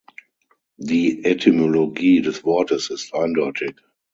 Die Etymologie des Wortes ist eindeutig.